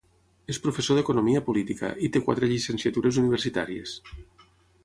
És professor d'economia política, i té quatre llicenciatures universitàries.